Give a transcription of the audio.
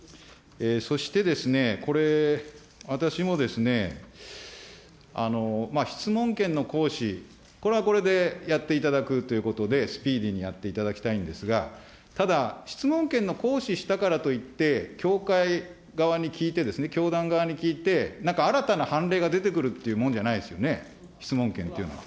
そしてですね、これ、私も質問権の行使、これはこれでやっていただくということで、スピーディーにやっていただきたいんですが、ただ、質問権を行使したからといって、教会側に聞いて、教団側に聞いて、なんか新たな判例が出てくるってもんじゃないですよね、質問権っていうのは。